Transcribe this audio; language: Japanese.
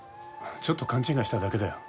ちょっと勘違いしただけだよ。